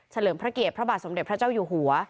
เลิมพระเกียรติพระบาทสมเด็จพระเจ้าอยู่หัว